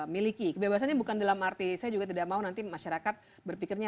miliki kebebasannya bukan dalam arti saya juga tidak mau nanti masyarakat berpikirnya